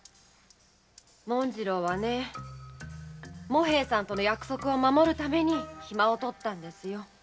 紋次郎は茂平さんとの約束を守るために暇を取ったんですよ。